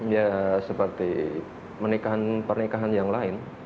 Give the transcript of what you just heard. ya seperti pernikahan pernikahan yang lain